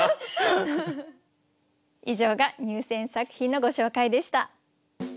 以上が入選作品のご紹介でした。